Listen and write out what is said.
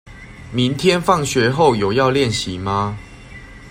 明天放學後有要練習嗎？